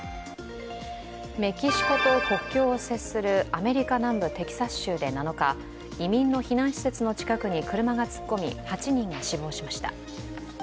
メキシコと国境を接するアメリカ南部テキサス州で７日、移民の避難施設の近くに車が突っ込み、８人が死亡しました。